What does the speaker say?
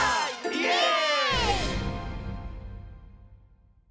イエーイ！